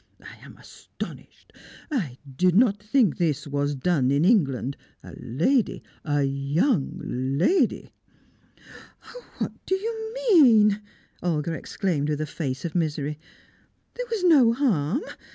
I am astonished! I did not think this was done in England a lady a young lady!" "Oh, what do you mean?" Olga exclaimed, with a face of misery. "There was no harm.